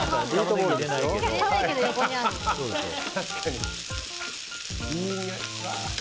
いいにおい！